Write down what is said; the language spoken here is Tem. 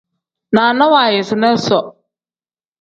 Naana waayisina isoo.